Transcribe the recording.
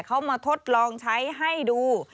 เขามาทดลองใช้ให้ดู